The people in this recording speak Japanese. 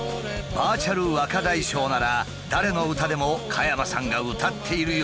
バーチャル若大将なら誰の歌でも加山さんが歌っているようにできる。